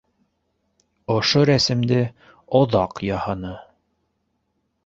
Ошо рәсемде оҙаҡ яһаны...